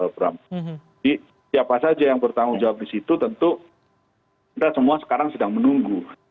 jadi siapa saja yang bertanggung jawab disitu tentu kita semua sekarang sedang menunggu